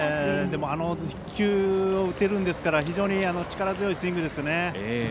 でもあの１球を打てるんですから非常に力強いスイングでしたね。